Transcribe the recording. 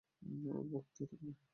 ও বকতেই থাকবে।